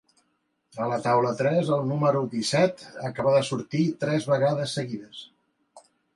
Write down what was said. A la taula tres el número disset acaba de sortir tres vegades seguides.